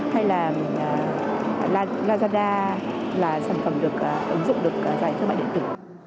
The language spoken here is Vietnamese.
hay là lazada là sản phẩm được ứng dụng được giải thương mại điện tử